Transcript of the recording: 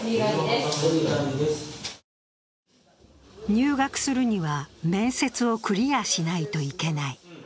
入学するには面接をクリアしないといけない。